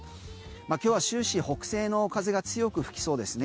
今日は終始北西の風が強く吹きそうですね。